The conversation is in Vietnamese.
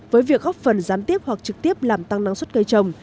với việc góp phần gián tiếp hoặc trực tiếp làm tăng năng suất cây trồng